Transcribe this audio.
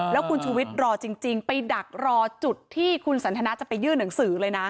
แล้วคุณชูวิทย์รอจริงไปดักรอจุดที่คุณสันทนาจะไปยื่นหนังสือเลยนะ